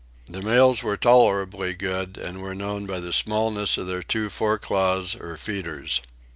The males were tolerably good and were known by the smallness of their two fore claws or feeders.